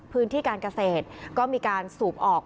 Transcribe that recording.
พื้นที่การเกษตรก็มีการสูบออก